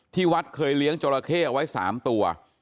ที่วัดเคยเลี้ยงจราเข้เอาไว้๓ตัว